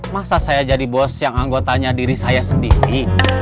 masa saya jadi bos yang anggotanya diri saya sendiri